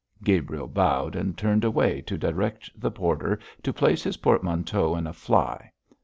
Gabriel bowed, and turned away to direct the porter to place his portmanteau in a fly.